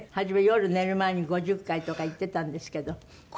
初め「夜寝る前に５０回」とか言ってたんですけど。